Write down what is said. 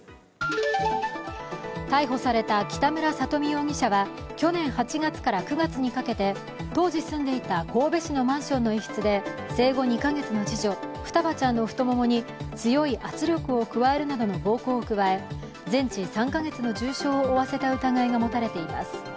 逮捕された北村里美容疑者は去年８月から９月にかけて、当時住んでいた神戸市のマンションの一室で生後２か月の次女・双葉ちゃんの太ももに強い圧力を加えるなどの暴行を加え全治３か月の重傷を負わせた疑いが持たれています。